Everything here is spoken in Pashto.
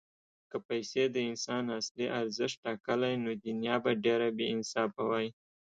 که پیسې د انسان اصلي ارزښت ټاکلی، نو دنیا به ډېره بېانصافه وای.